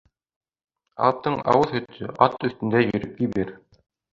Алыптың ауыҙ һөтө ат өҫтөндә йөрөп кибер.